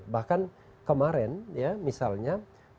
bahkan kemarin misalnya